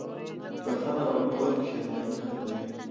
• بښنه ورکول پښېماني ختموي.